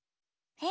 え？